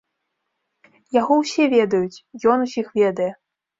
Яго ўсе ведаюць, ён усіх ведае.